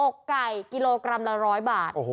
อกไก่กิโลกรัมละ๑๐๐บาท